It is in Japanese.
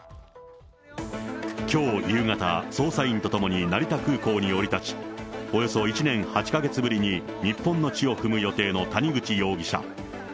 きょう夕方、捜査員と共に成田空港に降り立ち、およそ１年８か月ぶりに日本の地を踏む予定の谷口容疑者。